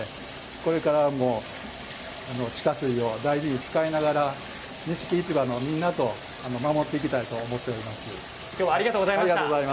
これからも地下水を大事に使いながら錦市場のみんなと守っていきたいと今日はありがとうございました。